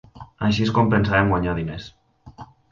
Així és com pensàvem guanyar diners.